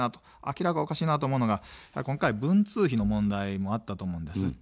明らかにおかしいなと思うのが今回、文通費の問題もあったと思います。